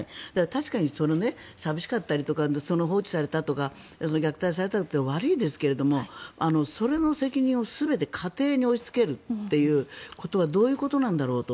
確かに、寂しかったりとか放置されたとか虐待されたって悪いですけどそれの責任を全て家庭に押しつけることはどういうことなんだろうと。